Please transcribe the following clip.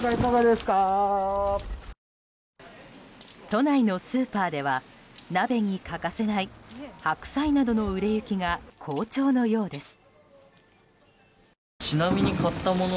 都内のスーパーでは鍋に欠かせない白菜などの売れ行きが好調のようです。